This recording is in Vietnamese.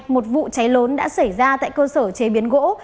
một vụ cháy lớn đã xảy ra tại cơ sở chế biến gỗ